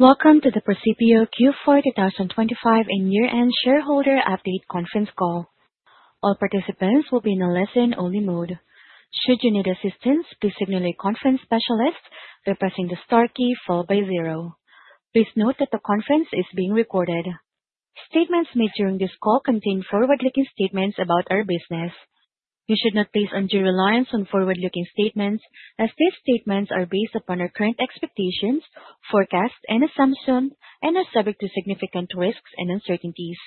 Welcome to the Precipio Q4 2025 and year-end shareholder update conference call. All participants will be in a listen-only mode. Should you need assistance, please signal a conference specialist by pressing the star key followed by zero. Please note that the conference is being recorded. Statements made during this call contain forward-looking statements about our business. You should not place undue reliance on forward-looking statements as these statements are based upon our current expectations, forecasts, and assumptions and are subject to significant risks and uncertainties.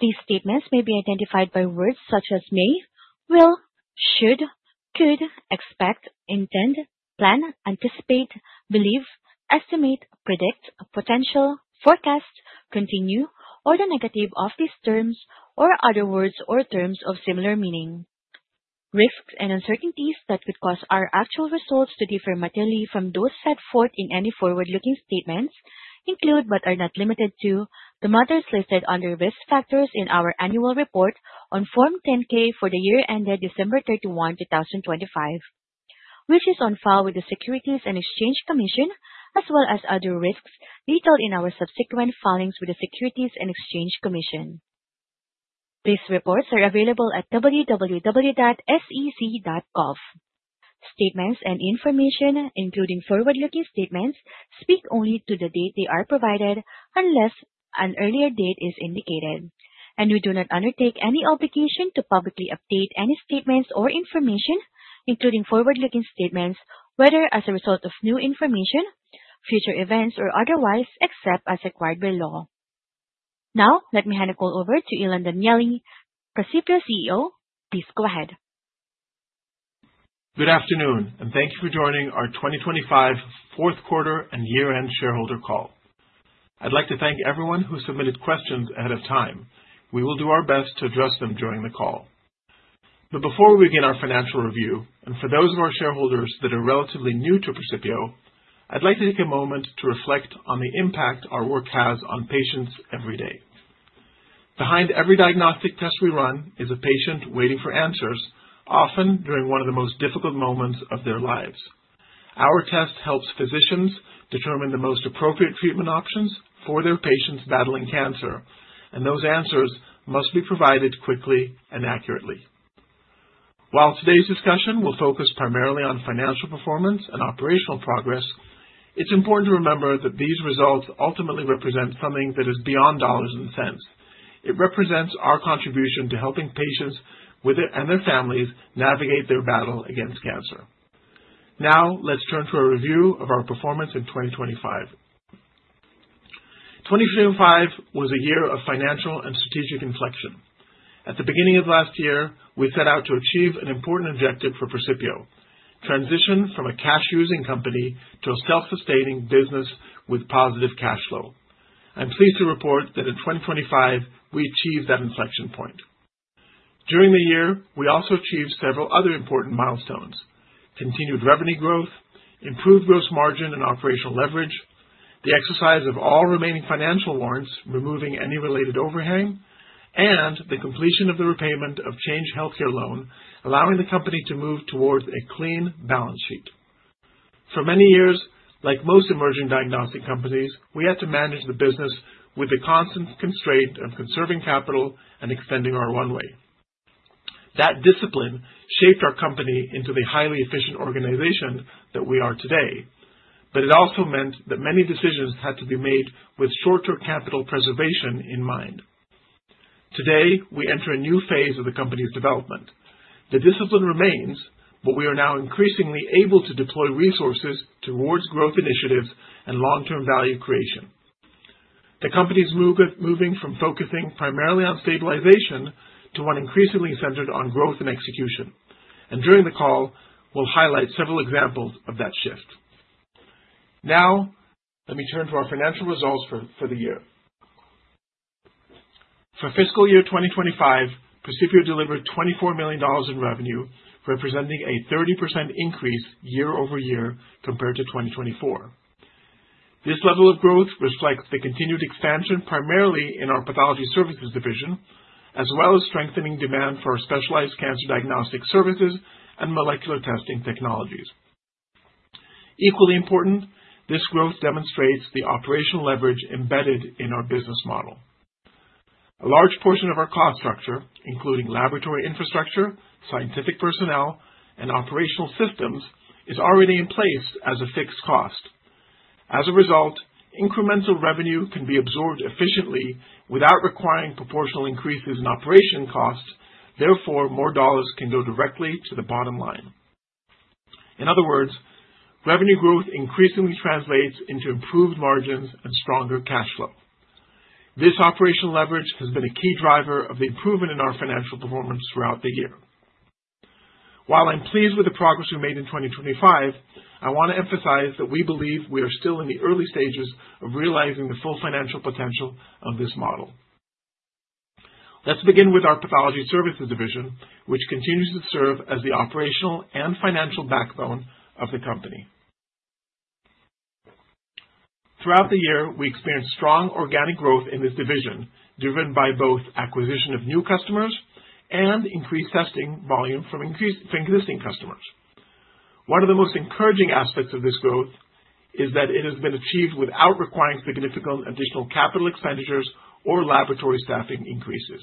These statements may be identified by words such as may, will, should, could, expect, intend, plan, anticipate, believe, estimate, predict, potential, forecast, continue, or the negative of these terms, or other words or terms of similar meaning. Risks and uncertainties that could cause our actual results to differ materially from those set forth in any forward-looking statements include, but are not limited to, the matters listed under risk factors in our annual report on Form 10-K for the year ended December 31, 2025, which is on file with the Securities and Exchange Commission, as well as other risks detailed in our subsequent filings with the Securities and Exchange Commission. These reports are available at www.sec.gov. Statements and information, including forward-looking statements, speak only to the date they are provided, unless an earlier date is indicated, and we do not undertake any obligation to publicly update any statements or information, including forward-looking statements, whether as a result of new information, future events, or otherwise, except as required by law. Now, let me hand the call over to Ilan Danieli, Precipio CEO. Please go ahead. Good afternoon, and thank you for joining our 2025 fourth quarter and year-end shareholder call. I'd like to thank everyone who submitted questions ahead of time. We will do our best to address them during the call. Before we begin our financial review, and for those of our shareholders that are relatively new to Precipio, I'd like to take a moment to reflect on the impact our work has on patients every day. Behind every diagnostic test we run is a patient waiting for answers, often during one of the most difficult moments of their lives. Our test helps physicians determine the most appropriate treatment options for their patients battling cancer, and those answers must be provided quickly and accurately. While today's discussion will focus primarily on financial performance and operational progress, it's important to remember that these results ultimately represent something that is beyond dollars and cents. It represents our contribution to helping patients with it, and their families navigate their battle against cancer. Now, let's turn to a review of our performance in 2025. 2025 was a year of financial and strategic inflection. At the beginning of last year, we set out to achieve an important objective for Precipio, transition from a cash using company to a self-sustaining business with positive cash flow. I'm pleased to report that in 2025 we achieved that inflection point. During the year, we also achieved several other important milestones, continued revenue growth, improved gross margin and operational leverage, the exercise of all remaining financial warrants, removing any related overhang, and the completion of the repayment of Change Healthcare loan, allowing the company to move towards a clean balance sheet. For many years, like most emerging diagnostic companies, we had to manage the business with the constant constraint of conserving capital and extending our runway. That discipline shaped our company into the highly efficient organization that we are today. It also meant that many decisions had to be made with short-term capital preservation in mind. Today, we enter a new phase of the company's development. The discipline remains, but we are now increasingly able to deploy resources towards growth initiatives and long-term value creation. The company's moving from focusing primarily on stabilization to one increasingly centered on growth and execution. During the call, we'll highlight several examples of that shift. Now, let me turn to our financial results for the year. For fiscal year 2025, Precipio delivered $24 million in revenue, representing a 30% increase YoY compared to 2024. This level of growth reflects the continued expansion, primarily in our Pathology Services division, as well as strengthening demand for our specialized cancer diagnostic services and molecular testing technologies. Equally important, this growth demonstrates the operational leverage embedded in our business model. A large portion of our cost structure, including laboratory infrastructure, scientific personnel, and operational systems, is already in place as a fixed cost. As a result, incremental revenue can be absorbed efficiently without requiring proportional increases in operation costs. Therefore, more dollars can go directly to the bottom line. In other words, revenue growth increasingly translates into improved margins and stronger cash flow. This operational leverage has been a key driver of the improvement in our financial performance throughout the year. While I'm pleased with the progress we made in 2025, I wanna emphasize that we believe we are still in the early stages of realizing the full financial potential of this model. Let's begin with our Pathology Services division, which continues to serve as the operational and financial backbone of the company. Throughout the year, we experienced strong organic growth in this division, driven by both acquisition of new customers and increased testing volume from existing customers. One of the most encouraging aspects of this growth is that it has been achieved without requiring significant additional capital expenditures or laboratory staffing increases.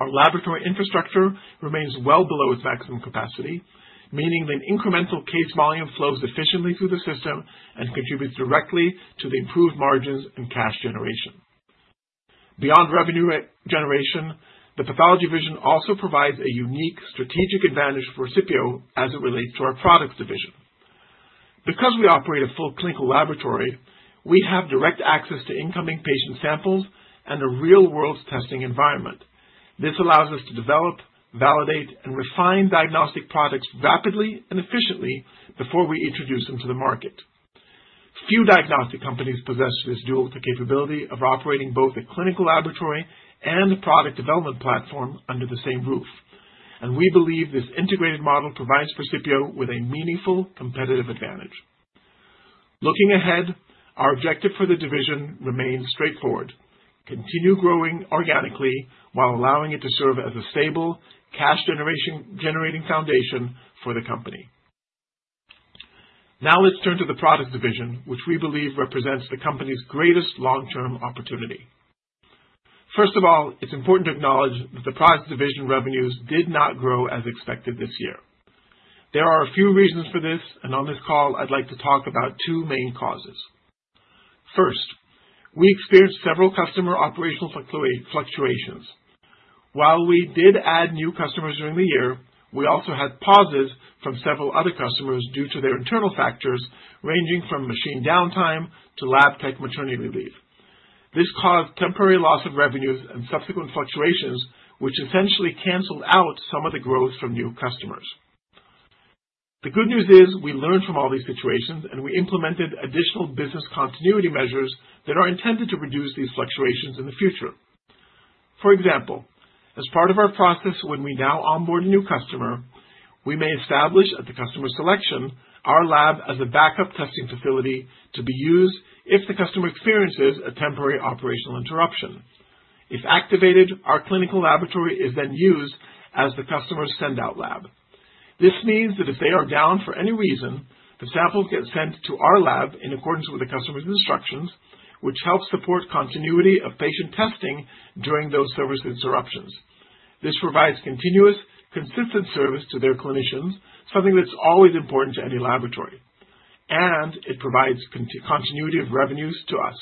Our laboratory infrastructure remains well below its maximum capacity, meaning that incremental case volume flows efficiently through the system and contributes directly to the improved margins and cash generation. Beyond revenue generation, the Pathology Division also provides a unique strategic advantage for Precipio as it relates to our Products Division. Because we operate a full clinical laboratory, we have direct access to incoming patient samples and a real-world testing environment. This allows us to develop, validate, and refine diagnostic products rapidly and efficiently before we introduce them to the market. Few diagnostic companies possess this dual capability of operating both a clinical laboratory and a product development platform under the same roof, and we believe this integrated model provides Precipio with a meaningful competitive advantage. Looking ahead, our objective for the division remains straightforward: continue growing organically while allowing it to serve as a stable, cash-generating foundation for the company. Now, let's turn to the Products Division, which we believe represents the company's greatest long-term opportunity. First of all, it's important to acknowledge that the Products Division revenues did not grow as expected this year. There are a few reasons for this, and on this call, I'd like to talk about two main causes. First, we experienced several customer operational fluctuations. While we did add new customers during the year, we also had pauses from several other customers due to their internal factors, ranging from machine downtime to lab tech maternity leave. This caused temporary loss of revenues and subsequent fluctuations, which essentially canceled out some of the growth from new customers. The good news is we learned from all these situations, and we implemented additional business continuity measures that are intended to reduce these fluctuations in the future. For example, as part of our process, when we now onboard a new customer, we may establish at the customer's selection our lab as a backup testing facility to be used if the customer experiences a temporary operational interruption. If activated, our clinical laboratory is then used as the customer's send out lab. This means that if they are down for any reason, the samples get sent to our lab in accordance with the customer's instructions, which helps support continuity of patient testing during those service interruptions. This provides continuous, consistent service to their clinicians, something that's always important to any laboratory, and it provides continuity of revenues to us.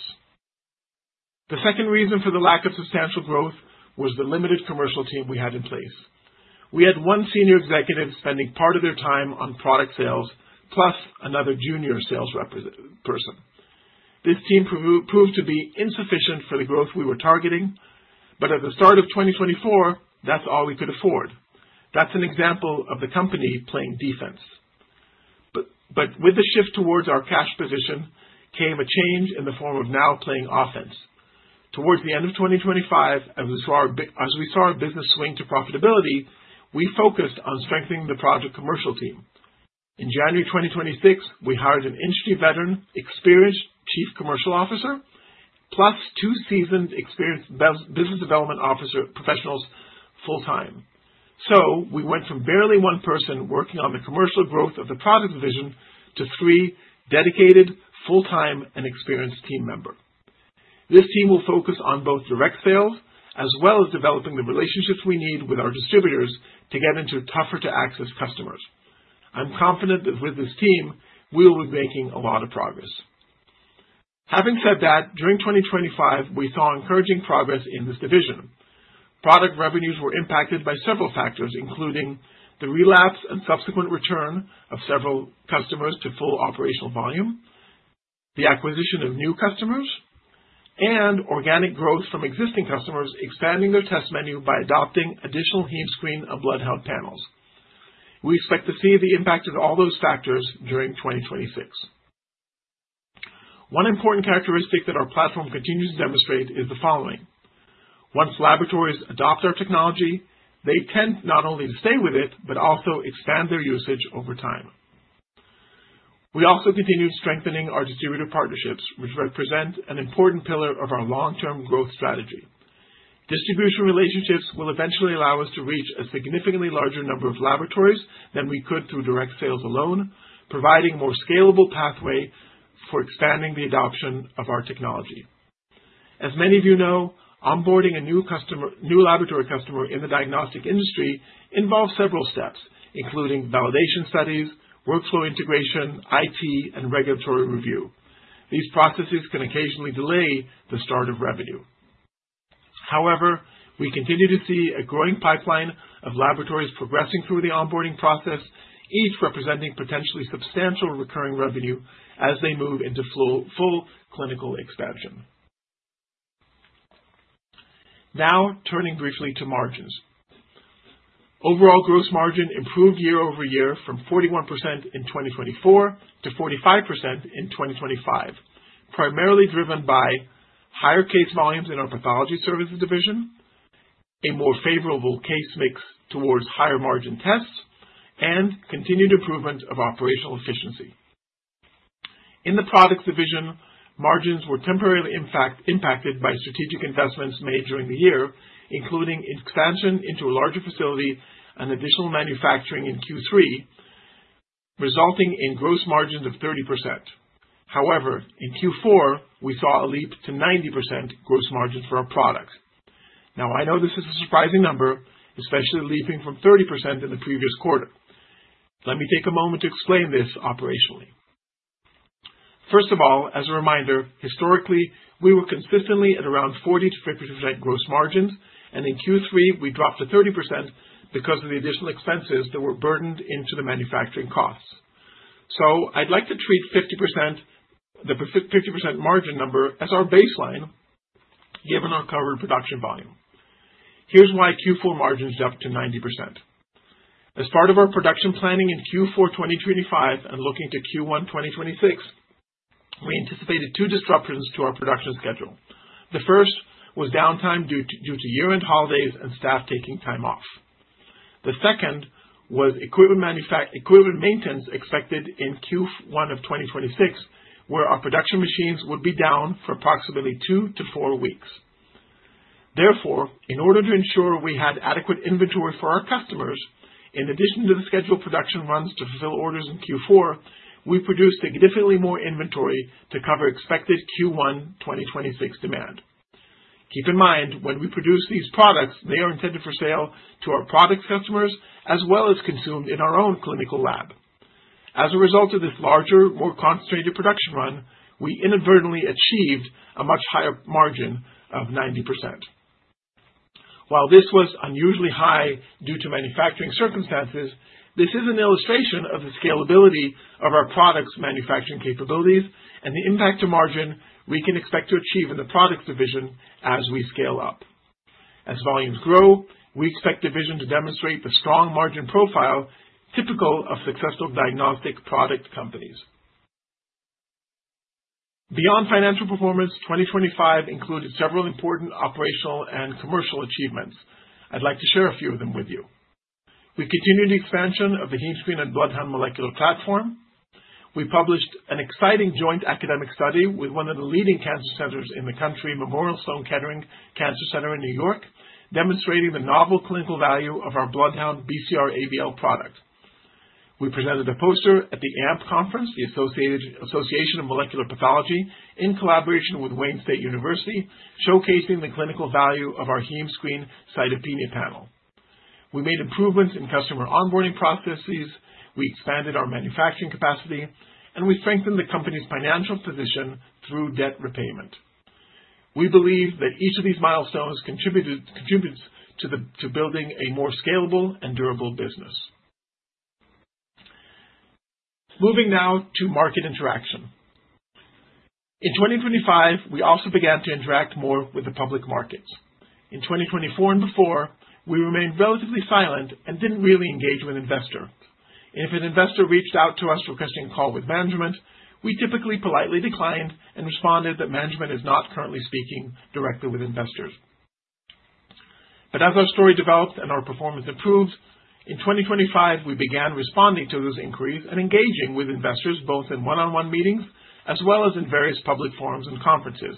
The second reason for the lack of substantial growth was the limited commercial team we had in place. We had one senior executive spending part of their time on product sales, plus another junior sales person. This team proved to be insufficient for the growth we were targeting. At the start of 2024, that's all we could afford. That's an example of the company playing defense. With the shift towards our cash position came a change in the form of now playing offense. Towards the end of 2025, as we saw our business swing to profitability, we focused on strengthening the Products commercial team. In January 2026, we hired an industry veteran, experienced Chief Commercial Officer, plus two seasoned experienced business development officer professionals full-time. We went from barely one person working on the commercial growth of the Products Division to three dedicated, full-time, and experienced team member. This team will focus on both direct sales as well as developing the relationships we need with our distributors to get into tougher to access customers. I'm confident that with this team, we'll be making a lot of progress. Having said that, during 2025, we saw encouraging progress in this division. Product revenues were impacted by several factors, including the lapse and subsequent return of several customers to full operational volume, the acquisition of new customers, and organic growth from existing customers expanding their test menu by adopting additional HemeScreen and BloodHound panels. We expect to see the impact of all those factors during 2026. One important characteristic that our platform continues to demonstrate is the following. Once laboratories adopt our technology, they tend not only to stay with it, but also expand their usage over time. We also continue strengthening our distributor partnerships, which represent an important pillar of our long-term growth strategy. Distribution relationships will eventually allow us to reach a significantly larger number of laboratories than we could through direct sales alone, providing more scalable pathway for expanding the adoption of our technology. As many of you know, onboarding a new laboratory customer in the diagnostic industry involves several steps, including validation studies, workflow integration, IT, and regulatory review. These processes can occasionally delay the start of revenue. However, we continue to see a growing pipeline of laboratories progressing through the onboarding process, each representing potentially substantial recurring revenue as they move into full clinical expansion. Now, turning briefly to margins. Overall gross margin improved year over year from 41% in 2024 to 45% in 2025, primarily driven by higher case volumes in our Pathology Services division, a more favorable case mix towards higher-margin tests, and continued improvement of operational efficiency. In the Products Division, margins were temporarily, in fact, impacted by strategic investments made during the year, including expansion into a larger facility and additional manufacturing in Q3, resulting in gross margins of 30%. However, in Q4, we saw a leap to 90% gross margins for our product. Now, I know this is a surprising number, especially leaping from 30% in the previous quarter. Let me take a moment to explain this operationally. First of all, as a reminder, historically, we were consistently at around 40%-50% gross margins, and in Q3 we dropped to 30% because of the additional expenses that were burdened into the manufacturing costs. I'd like to treat 50%, the 50% margin number, as our baseline given our current production volume. Here's why Q4 margins jumped to 90%. As part of our production planning in Q4 2025 and looking to Q1 2026, we anticipated two disruptions to our production schedule. The first was downtime due to year-end holidays and staff taking time off. The second was equipment maintenance expected in Q1 of 2026, where our production machines would be down for approximately two to four weeks. Therefore, in order to ensure we had adequate inventory for our customers, in addition to the scheduled production runs to fulfill orders in Q4, we produced significantly more inventory to cover expected Q1 2026 demand. Keep in mind, when we produce these products, they are intended for sale to our product customers as well as consumed in our own clinical lab. As a result of this larger, more concentrated production run, we inadvertently achieved a much higher margin of 90%. While this was unusually high due to manufacturing circumstances, this is an illustration of the scalability of our products manufacturing capabilities and the impact to margin we can expect to achieve in the Products Division as we scale up. As volumes grow, we expect the division to demonstrate the strong margin profile typical of successful diagnostic product companies. Beyond Financial Performance, 2025 included several important operational and commercial achievements. I'd like to share a few of them with you. We continued the expansion of the HemeScreen and BloodHound molecular platform. We published an exciting joint academic study with one of the leading cancer centers in the country, Memorial Sloan Kettering Cancer Center in New York, demonstrating the novel clinical value of our BloodHound BCR-ABL product. We presented a poster at the AMP Annual Meeting & Expo, Association for Molecular Pathology, in collaboration with Wayne State University, showcasing the clinical value of our HemeScreen Cytopenia panel. We made improvements in customer onboarding processes, we expanded our manufacturing capacity, and we strengthened the company's financial position through debt repayment. We believe that each of these milestones contributes to building a more scalable and durable business. Moving now to market interaction. In 2025, we also began to interact more with the public markets. In 2024 and before, we remained relatively silent and didn't really engage with investors. If an investor reached out to us requesting a call with management, we typically politely declined and responded that management is not currently speaking directly with investors. As our story developed and our performance improved, in 2025, we began responding to those inquiries and engaging with investors, both in one-on-one meetings as well as in various public forums and conferences.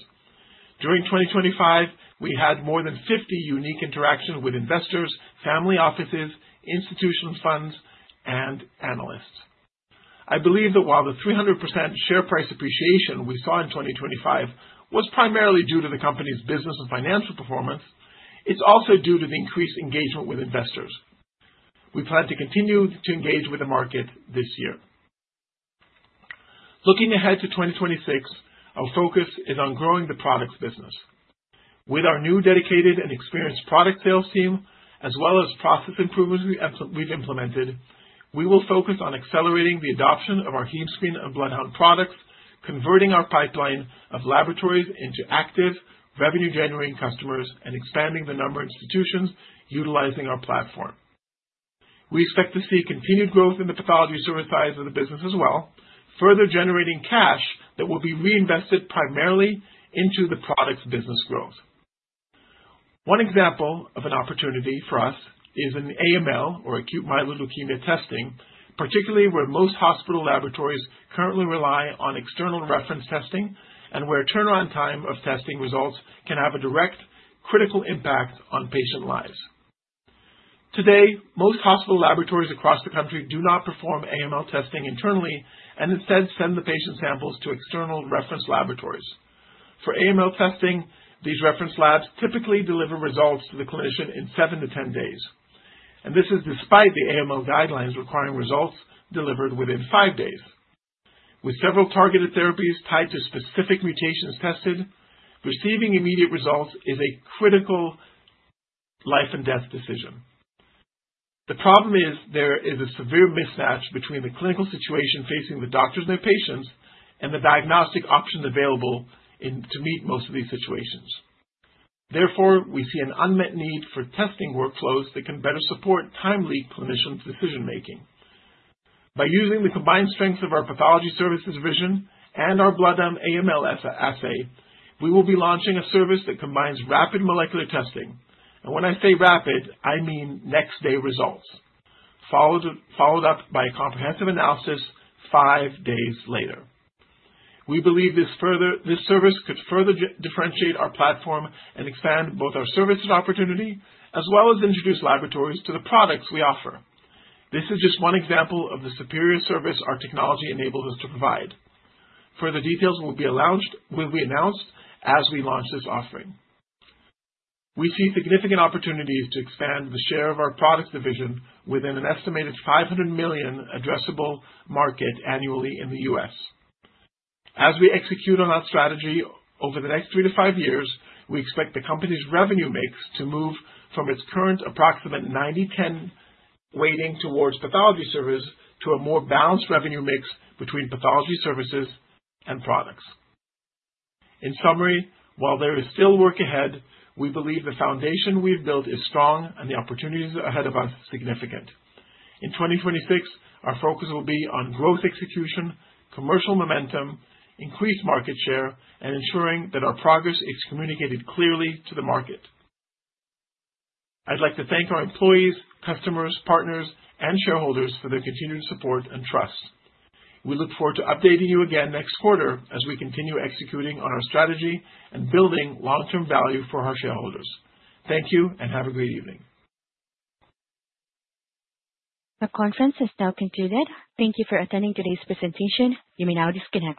During 2025, we had more than 50 unique interactions with investors, family offices, institutional funds, and analysts. I believe that while the 300% share price appreciation we saw in 2025 was primarily due to the company's business and financial performance, it's also due to the increased engagement with investors. We plan to continue to engage with the market this year. Looking ahead to 2026, our focus is on growing the products business. With our new dedicated and experienced product sales team, as well as process improvements we've implemented, we will focus on accelerating the adoption of our HemeScreen and BloodHound products, converting our pipeline of laboratories into active revenue-generating customers, and expanding the number of institutions utilizing our platform. We expect to see continued growth in the Pathology Services side of the business as well, further generating cash that will be reinvested primarily into the Products business growth. One example of an opportunity for us is an AML or Acute Myeloid Leukemia testing, particularly where most hospital laboratories currently rely on external reference testing and where turnaround time of testing results can have a direct critical impact on patient lives. Today, most hospital laboratories across the country do not perform AML testing internally and instead send the patient samples to external reference laboratories. For AML testing, these reference labs typically deliver results to the clinician in seven to 10 days, and this is despite the AML guidelines requiring results delivered within five days. With several targeted therapies tied to specific mutations tested, receiving immediate results is a critical life and death decision. The problem is there is a severe mismatch between the clinical situation facing the doctors and their patients and the diagnostic options available in to meet most of these situations. Therefore, we see an unmet need for testing workflows that can better support timely clinician's decision-making. By using the combined strengths of our Pathology Services division and our BloodHound AML assay, we will be launching a service that combines rapid molecular testing. When I say rapid, I mean next day results, followed up by a comprehensive analysis five days later. We believe this service could further differentiate our platform and expand both our services opportunity as well as introduce laboratories to the products we offer. This is just one example of the superior service our technology enables us to provide. Further details will be announced as we launch this offering. We see significant opportunities to expand the share of our Products Division within an estimated $500 million addressable market annually in the U.S. As we execute on our strategy over the next three to five years, we expect the company's revenue mix to move from its current approximate 90/10 weighting towards Pathology Services to a more balanced revenue mix between Pathology Services and Products Division. In summary, while there is still work ahead, we believe the foundation we've built is strong and the opportunities ahead of us significant. In 2026, our focus will be on growth execution, commercial momentum, increased market share, and ensuring that our progress is communicated clearly to the market. I'd like to thank our employees, customers, partners, and shareholders for their continued support and trust. We look forward to updating you again next quarter as we continue executing on our strategy and building long-term value for our shareholders. Thank you and have a great evening. The conference is now concluded. Thank you for attending today's presentation. You may now disconnect.